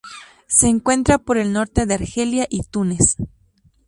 Se encuentra por el norte de Argelia y Túnez.